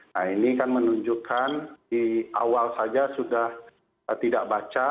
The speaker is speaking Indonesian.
nah ini kan menunjukkan di awal saja sudah tidak baca